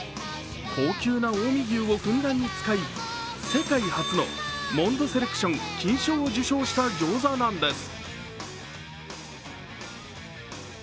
高級な近江牛をふんだんに使い、世界初のモンドセレクション金賞を受賞した餃子なんです。